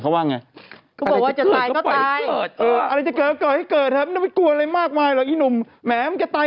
เขาว่าไงก็บอกว่าจะจะไปจะหนึ่งหนุ่มแม้มันก็ตาย